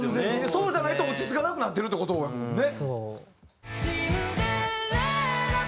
そうじゃないと落ち着かなくなってるって事やもんね。